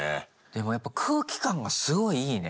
でもやっぱ空気感がすごいいいね。